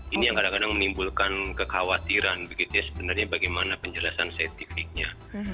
ini yang kadang kadang menimbulkan kekhawatiran begitu ya sebenarnya bagaimana penjelasan saintifiknya